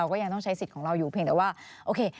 จะไม่ได้มาในสมัยการเลือกตั้งครั้งนี้แน่